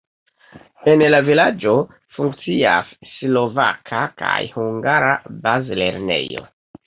En la vilaĝo funkcias slovaka kaj hungara bazlernejo.